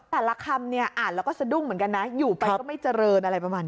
แต่ละคำเนี่ยอ่านแล้วก็สะดุ้งเหมือนกันนะอยู่ไปก็ไม่เจริญอะไรประมาณนี้